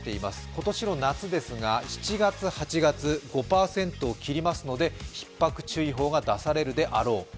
今年の夏ですが、７月、８月、５％を切りますので、ひっ迫注意報が出されるであろう。